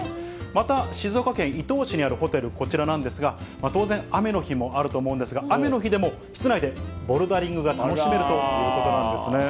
また、静岡県伊東市にあるホテル、こちらなんですが、当然、雨の日もあると思うんですが、雨の日でも、室内でボルダリングが楽しめるということなんですね。